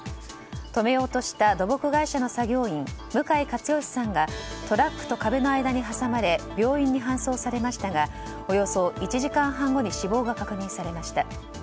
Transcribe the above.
止めようとした土木会社の作業員向井克佳さんがトラックと壁の間に挟まれ病院に搬送されましたがおよそ１時間半後に死亡が確認されました。